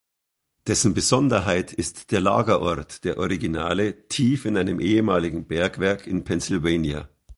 Dessen Besonderheit ist der Lagerort der Originale, tief in einem ehemaligen Bergwerk in Pennsylvania.